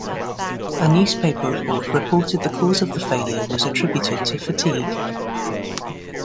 A newspaper report reported the cause of the failure was attributed to fatigue.